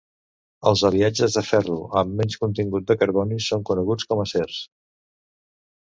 Els aliatges de ferro amb menys contingut de carboni són coneguts com a acers.